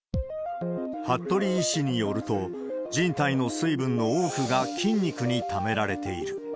服部医師によると、人体の水分の多くが筋肉にためられている。